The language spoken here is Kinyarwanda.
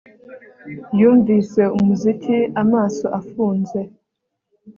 Yumvise umuziki amaso afunze